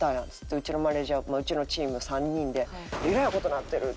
うちのマネジャーうちのチーム３人で「えらい事になってる」。